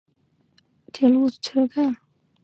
大崎站的铁路车站。